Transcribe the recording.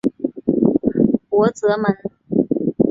博泽蒙。